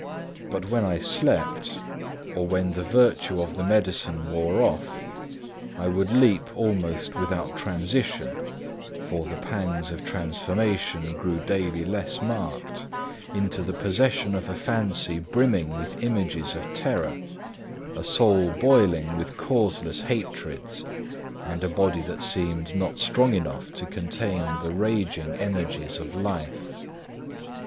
But when I slept, or when the virtue of the medicine wore off, I would leap almost without transition (for the pangs of transformation grew daily less marked) into the possession of a fancy brimming with images of terror, a soul boiling with causeless hatreds, and a body that seemed not strong enough to contain the raging energies of life.